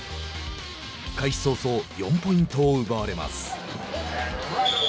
開始早々４ポイントを奪われます。